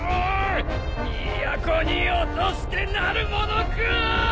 都に落としてなるものか！